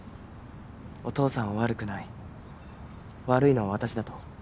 「お父さんは悪くない悪いのは私だ」と。